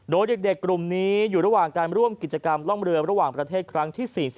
โดยเด็กกลุ่มนี้อยู่ระหว่างการร่วมกิจกรรมร่องเรือระหว่างประเทศครั้งที่๔๐